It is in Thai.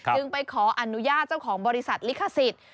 ไปขออนุญาตเจ้าของบริษัทลิขสิทธิ์